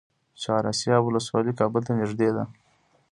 چهار اسیاب ولسوالۍ کابل ته نږدې ده؟